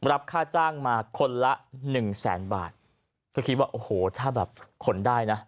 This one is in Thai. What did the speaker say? รับค่าจ้างมาคนละหนึ่งแสนบาทก็คิดว่าโอ้โหถ้าแบบขนได้นะ